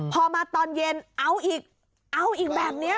พอมาตอนเย็นเอาอีก